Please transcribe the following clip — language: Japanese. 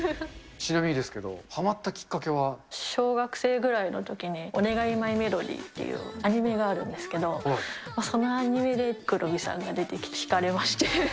ちなみにですけど、はまった小学生ぐらいのときに、おねがいマイメロディっていうアニメがあるんですけど、そのアニメでクロミさんが出てきて引かれまして。